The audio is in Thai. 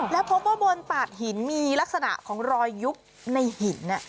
แล้วพบว่าบนตาดหินมีลักษณะของรอยยุบในหิน